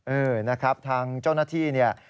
เออนะครับทางเจ้าหน้าที่เนี่ย